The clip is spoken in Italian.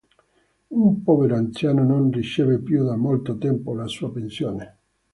Un povero anziano non riceve più da molto tempo la sua pensione.